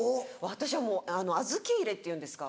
私はもう預け入れっていうんですか？